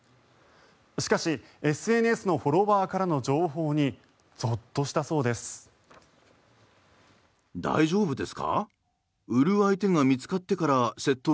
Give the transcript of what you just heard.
しかし、ＳＮＳのフォロワーからの情報にゾッとしたそうです。